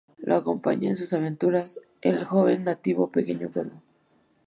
Lo acompaña en sus aventuras el joven nativo "Pequeño Cuervo".